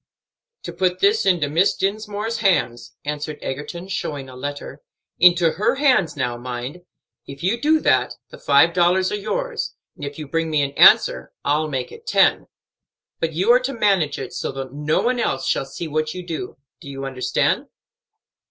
"To put this into Miss Dinsmore's hands," answered Egerton, showing a letter; "into her own hands, now, mind. If you do that, the five dollars are yours; and if you bring me an answer, I'll make it ten. But you are to manage it so that no one else shall see what you do. Do you understand?"